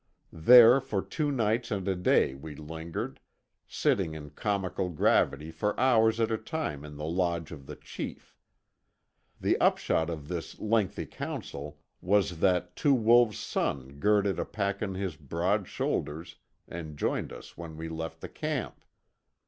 There for two nights and a day we lingered, sitting in comical gravity for hours at a time in the lodge of the chief. The upshot of this lengthy council was that Two Wolves' son girded a pack on his broad shoulders and joined us when we left the camp.